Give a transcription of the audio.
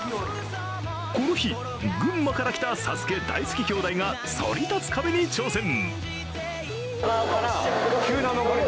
この日、群馬から来た「ＳＡＳＵＫＥ」大好き兄弟がそり立つ壁に挑戦。